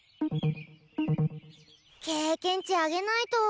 経験値上げないと。